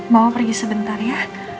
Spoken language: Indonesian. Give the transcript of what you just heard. mama pergi sebentar ya